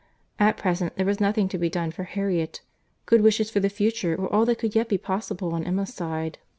At present, there was nothing to be done for Harriet; good wishes for the future were all that could yet be possible on Emma's side.